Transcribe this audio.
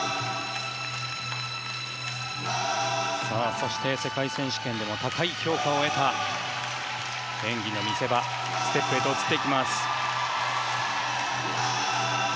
そして世界選手権でも高い評価を得た演技の見せ場、ステップへと移っていきます。